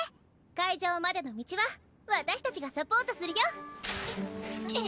会場までの道は私たちがサポートするよ！